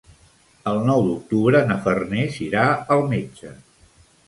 El nou d'octubre na Farners irà al metge.